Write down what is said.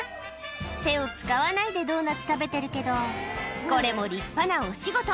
手を使わないでドーナツ食べてるけど、これも立派なお仕事。